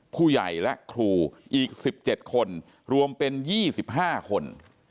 ผู้ใหญ่และครูอีกสิบเจ็ดคนรวมเป็นยี่สิบห้าคน